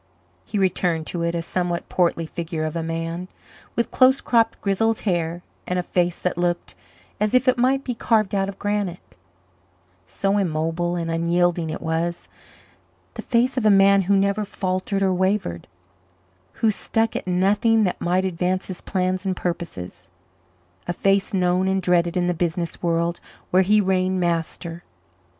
He returned to it a somewhat portly figure of a man, with close cropped, grizzled hair, and a face that looked as if it might be carved out of granite, so immobile and unyielding it was the face of a man who never faltered or wavered, who stuck at nothing that might advance his plans and purposes, a face known and dreaded in the business world where he reigned master.